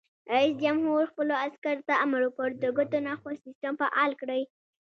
رئیس جمهور خپلو عسکرو ته امر وکړ؛ د ګوتو نښو سیسټم فعال کړئ!